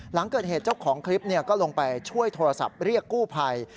หลังเกิดเหตุเจ้าของคลิปก็ลงไปช่วยโทรศัพท์เรียกกู้ภัย